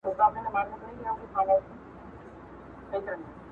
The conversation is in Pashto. خو په شا یې وړل درانه درانه بارونه-